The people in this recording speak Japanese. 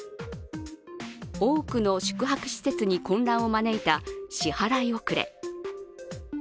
多くの宿泊施設に混乱を招いた支払い遅れ。